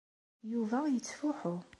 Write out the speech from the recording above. Yuba yettfuḥu.